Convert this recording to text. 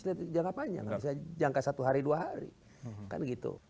melihat jangka panjang jangan bisa jangka satu hari dua hari